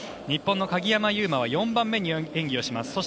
日本の鍵山優真は４番目に演技をします。